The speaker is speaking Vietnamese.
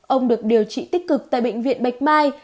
ông được điều trị tích cực tại bệnh viện bạch mai